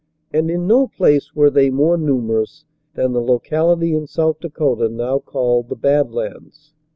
And in no place were they more numerous than the locality in South Dakota now called "The Bad Lands."